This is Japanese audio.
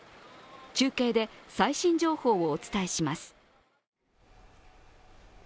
中継で最新情報をお伝えします。